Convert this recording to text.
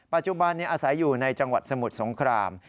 ปัจจุบันนี้อาศัยอยู่ในจังหวัดสมุทรสงคราม